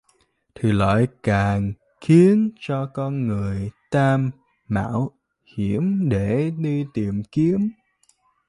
Thì lại càng khiến cho con người ta mạo hiểm để đi tìm kiếm